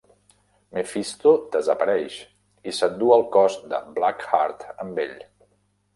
Mephisto desapareix, i s'endú el cos de Blackheart amb ell.